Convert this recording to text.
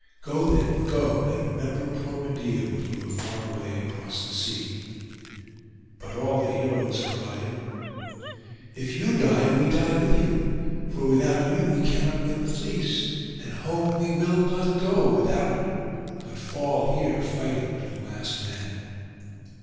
Go then, go, and remember poor Medeia when you are far away across the sea.' But all the heroes cried— 'If you die, we die with you; for without you we cannot win the fleece, and home we will not go without it, but fall here fighting to the last man.